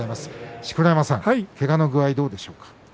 錣山さんけがの具合はどうでしょうか。